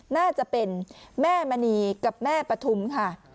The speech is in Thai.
น่าจะเป็นแม่มณีกับแม่ปฐุมค่ะ